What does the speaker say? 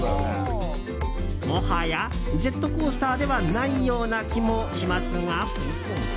もはや、ジェットコースターではないような気もしますが。